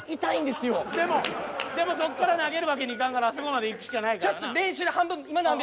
でもでもそっから投げるわけにいかんからあそこまで行くしかないからな。